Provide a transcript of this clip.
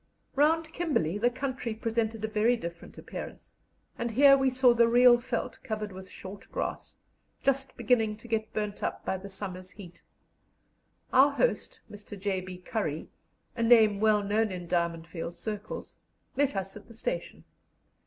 Round Kimberley the country presented a very different appearance, and here we saw the real veldt covered with short grass, just beginning to get burnt up by the summer's heat. Our host, Mr. J. B. Currey, a name well known in Diamond Field circles, met us at the station.